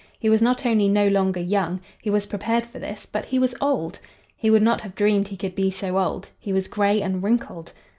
He was not only no longer young—he was prepared for this—but he was old. He would not have dreamed he could be so old. He was gray and wrinkled.